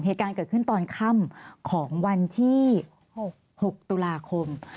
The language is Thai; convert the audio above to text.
เหตุการณ์เกิดขึ้นตอนค่ำของวันที่๖๖ตุลาคม